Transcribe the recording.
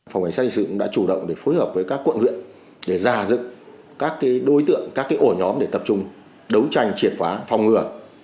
phòng cảnh sát hình sự cũng đã chủ động để phối hợp với các quận huyện để già dựng các đối tượng các ổ nhóm để tập trung đấu tranh triệt phá phòng ngừa